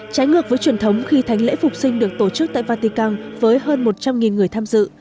trái ngược với truyền thống khi thánh lễ phục sinh được tổ chức tại vatican với hơn một trăm linh người tham dự